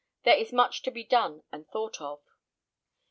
There is much to be done and thought of."